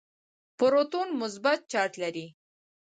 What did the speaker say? پروتون مثبت چارج لري.